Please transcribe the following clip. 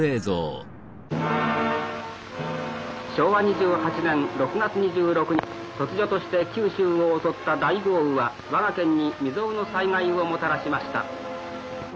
昭和２８年６月２６日突如として九州を襲った大豪雨は我が県に未曽有の災害をもたらしました。